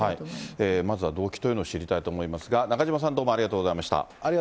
まずは動機というのを知りたいと思いますが、中島さん、どうもありがとうございました。